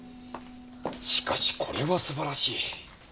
しかしこれはすばらしい。